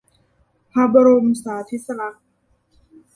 พระบรมสาทิสลักษณ์